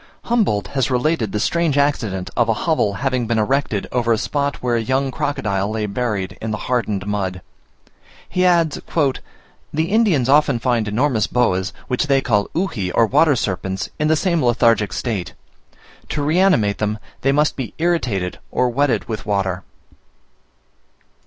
Humboldt has related the strange accident of a hovel having been erected over a spot where a young crocodile lay buried in the hardened mud. He adds, "The Indians often find enormous boas, which they call Uji or water serpents, in the same lethargic state. To reanimate them, they must be irritated or wetted with water."